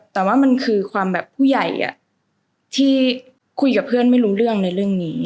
แต่ว่ามันคือความแบบผู้ใหญ่ที่คุยกับเพื่อนไม่รู้เรื่องในเรื่องนี้